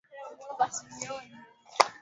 Amazon ni mahali pazito kamili ya maisha